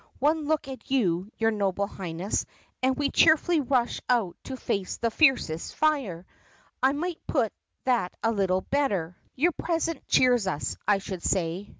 One look at you, your Noble Highness, and we cheefully rush out to face the fiercest fire. I might put that a little better. THE PUSSYCAT PRINCESS H5 Your presence cheers us, I should say.